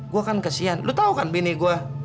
gue kan kesian lo tau kan bini gue